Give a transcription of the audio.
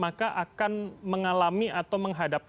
maka akan mengalami atau menghadapi